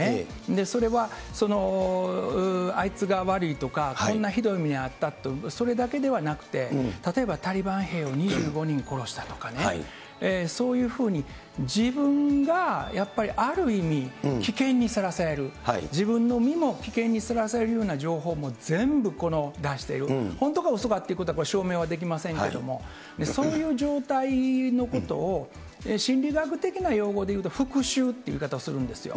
それはあいつが悪いとか、こんなひどい目に遭ったっていう、それだけではなくて、例えばタリバン兵を２５人殺したとかね、そういうふうに、自分がやっぱりある意味、危険にさらされる、自分の身も危険にさらされるような情報も全部、この出している、本当かうそかっていうことは、証明はできませんけれども、そういう状態のことを心理学的な用語でいうと復しゅうっていう言い方をするんですよ。